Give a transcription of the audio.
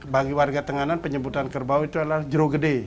bagi warga tenganan penyebutan kerbau itu adalah jero gede